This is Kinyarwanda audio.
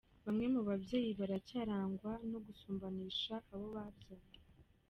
Bamwe mu babyeyi baracyarangwa no gusumbanisha abo babyaye